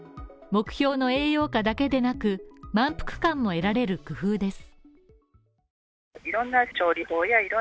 目標の栄養価だけでなく、満腹感も得られる工夫です。